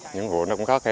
những vụ nó cũng khó khen